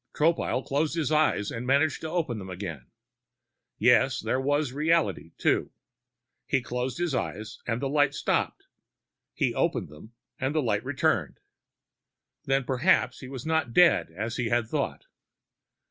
Tropile closed his eyes and managed to open them again. Yes, there was reality, too. He closed his eyes and light stopped. He opened them and light returned. Then perhaps he was not dead, as he had thought.